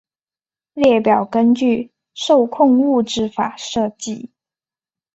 列表根据受控物质法设计。